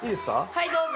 はいどうぞ。